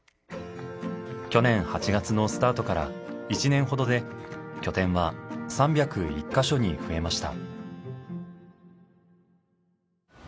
去年８月のスタートから１年ほどで拠点は３０１カ所に増えました。